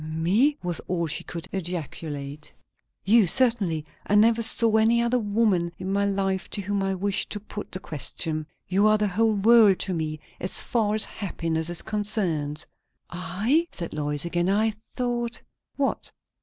"Me? " was all she could ejaculate. "You, certainly. I never saw any other woman in my life to whom I wished to put the question. You are the whole world to me, as far as happiness is concerned." "I? " said Lois again. "I thought " "What?"